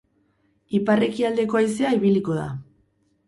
Ipar-ekialdeko haizea ibiliko da.